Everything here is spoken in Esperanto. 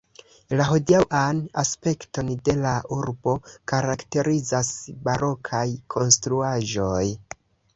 La hodiaŭan aspekton de la urbo karakterizas barokaj konstruaĵoj.